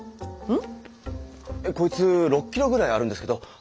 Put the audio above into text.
ん？